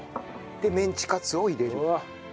でメンチカツを入れる。